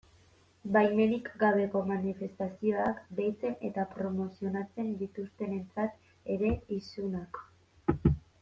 Baimenik gabeko manifestazioak deitzen eta promozionatzen dituztenentzat ere, isunak.